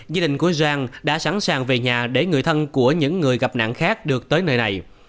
gia đình của giang đã sẵn sàng về nhà để người thân của những người gặp nạn khác được tới nơi này